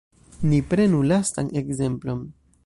Ni prenu lastan ekzemplon.